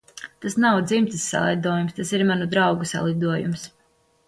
Tas nav dzimtas salidojums, tas ir manu draugu salidojums.